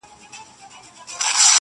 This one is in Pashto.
خوله یې وازه کړه آواز ته سمدلاسه؛